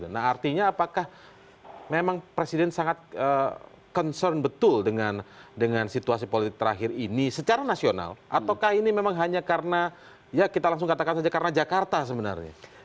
nah artinya apakah memang presiden sangat concern betul dengan situasi politik terakhir ini secara nasional ataukah ini memang hanya karena ya kita langsung katakan saja karena jakarta sebenarnya